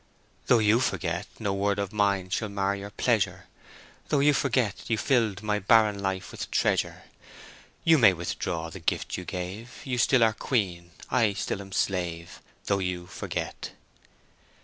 "Though you forget, No word of mine shall mar your pleasure; Though you forget, You filled my barren life with treasure, You may withdraw the gift you gave; You still are queen, I still am slave, Though you forget."